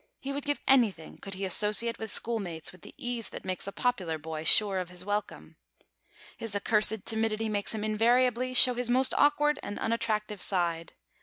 He would give anything could he associate with schoolmates with the ease that makes a popular boy sure of his welcome. His accursed timidity makes him invariably show his most awkward and unattractive side.